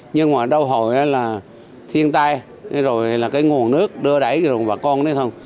nhưng mà đau hồi là thiên tai rồi là cái nguồn nước đưa đẩy rừng bà con đấy thôi